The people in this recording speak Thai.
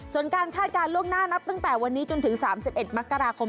ส่วนการคาดการณ์ล่วงหน้านับตั้งแต่วันนี้จนถึง๓๑มกราคม